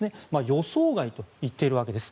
予想外と言っているわけです。